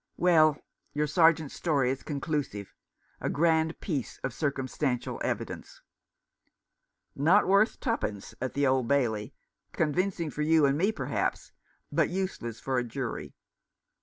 Well, your Sergeant's story is conclusive — a grand piece of circumstantial evidence." "Not worth twopence at the Old Bailey. Con vincing for you and me, perhaps, but useless for a jury."